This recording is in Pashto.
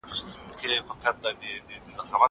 کېدای شي کار ستونزمن وي!!